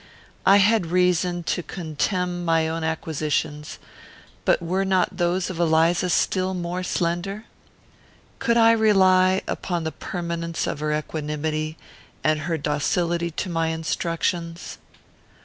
I had reason to contemn my own acquisitions; but were not those of Eliza still more slender? Could I rely upon the permanence of her equanimity and her docility to my instructions?